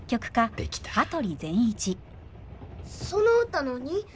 その歌何？